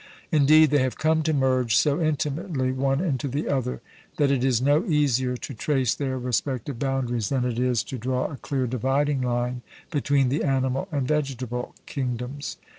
Indeed, they have come to merge so intimately one into the other, that it is no easier to trace their respective boundaries than it is to draw a clear dividing line between the animal and vegetable kingdoms.